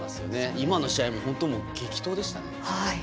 今の試合も、本当に激闘でしたね。